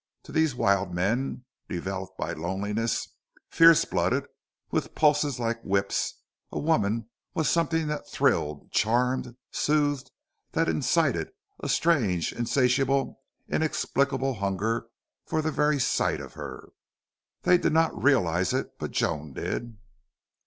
To these wild men, developed by loneliness, fierce blooded, with pulses like whips, a woman was something that thrilled, charmed, soothed, that incited a strange, insatiable, inexplicable hunger for the very sight of her. They did not realize it, but Joan did.